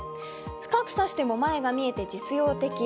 深く差しても前が見えて実用的。